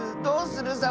どうする？